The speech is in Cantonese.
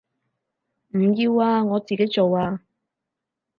唔要啊，我自己做啊